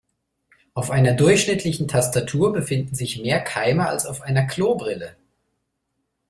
Auf einer durchschnittlichen Tastatur befinden sich mehr Keime als auf einer Klobrille.